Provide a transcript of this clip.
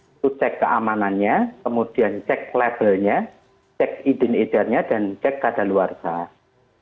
itu cek keamanannya kemudian cek labelnya cek identiternya dan cek keadaan luar sana